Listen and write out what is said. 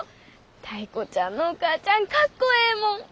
タイ子ちゃんのお母ちゃんかっこええもん。